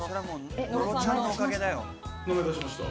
名前、出しました？